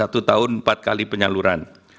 satu tahun empat kali penyaluran